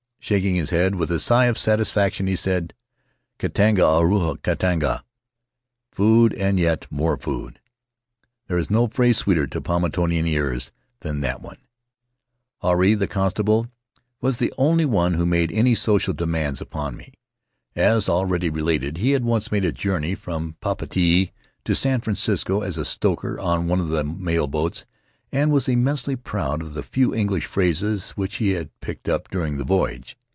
Shaking his head with a sigh of satisfaction, he said, "Katinga ahuru katinga" ("Food and yet more food"). There is no phrase sweeter to Paumotuan ears than that one. An Adventure in Solitude Huirai, the constable, was the only one who made any social demands upon me. As already related, he had once made a journey from Papeete to San Francisco as a stoker on one of the mail boats and was immensely proud of the few English phrases which he had picked up during the voyage.